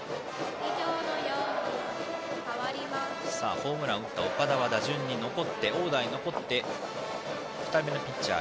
ホームランを打った岡田はオーダーに残って２人目のピッチャー